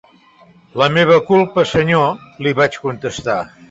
"La meva culpa, Senyor," li vaig contestar.